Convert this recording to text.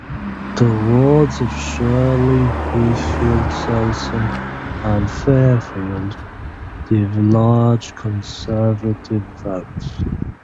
The wards of Shirley, Heathfield, Selsdon and Fairfield give large Conservative votes.